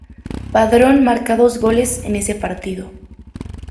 Padrón marca dos goles en ese partido.